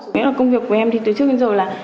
nghĩa là công việc của em thì từ trước đến giờ là